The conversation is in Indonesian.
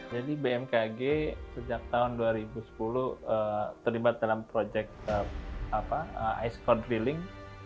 jadi bmkg sejak tahun dua ribu sepuluh terlibat dalam proyek ice core drilling